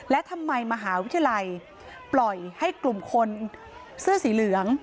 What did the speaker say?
และทำไมมหาวิทยาลัยปล่อยให้กลุ่มคนเสื้อสีเหลือง